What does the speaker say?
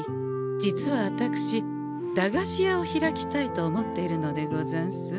実はあたくし駄菓子屋を開きたいと思っているのでござんす。